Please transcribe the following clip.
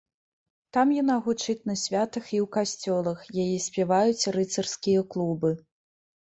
Там яна гучыць на святах і ў касцёлах, яе спяваюць рыцарскія клубы.